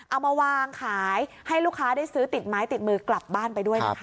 เอามาวางขายให้ลูกค้าได้ซื้อติดไม้ติดมือกลับบ้านไปด้วยนะคะ